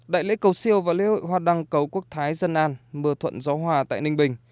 đại lễ cầu siêu và lễ hội hoa đăng cầu quốc thái dân an mưa thuận gió hòa tại ninh bình